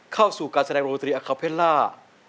เข้าสู่การแสดงโรดนตรีอาคาเพลล่า